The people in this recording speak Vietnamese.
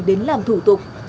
đến làm thủ tục